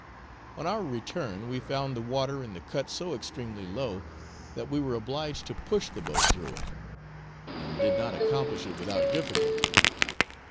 On our return we found the water in the cut so extremely low that we were obliged to push the boat through it, and did not accomplish it without difficulty.